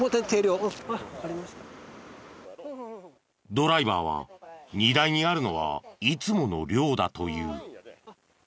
ドライバーは荷台にあるのはいつもの量だと言う。